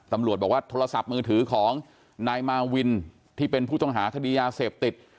ตำรวจบอกว่าโทรศัพท์มือถือของนายมาวินที่เป็นผู้ต้องหาคดียาเสพติด